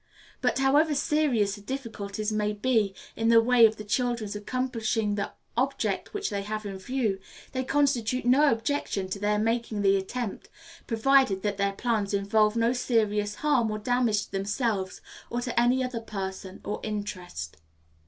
But, however serious the difficulties may be in the way of the children's accomplishing the object which they have in view, they constitute no objection to their making the attempt, provided that their plans involve no serious harm or damage to themselves, or to any other person or interest.